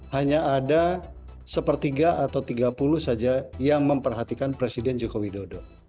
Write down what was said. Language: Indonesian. hanya ada sepertiga atau tiga puluh saja yang memperhatikan presiden joko widodo